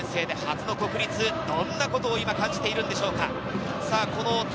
２年生で初の国立、どんなことを今、感じているんでしょうか。